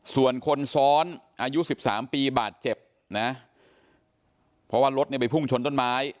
ส่วนคนซ้อนอายุสิบสามปีบาดเจ็บนะเพราะว่ารถเนี่ยไปพุ่งชนต้นไม้